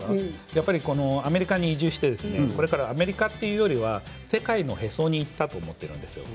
やっぱりアメリカに移住してアメリカというよりは世界のへそに行ったと思っているんですよ。